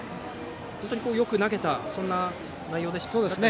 本当によく投げた内容でしたね。